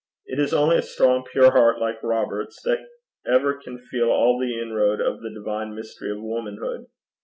It is only a strong, pure heart like Robert's that ever can feel all the inroad of the divine mystery of womanhood.